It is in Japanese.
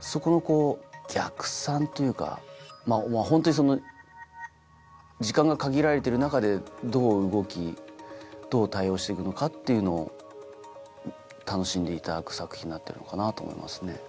そこの逆算というかホントに時間が限られてる中でどう動きどう対応していくのかっていうのを楽しんでいただく作品になってるのかなと思いますね。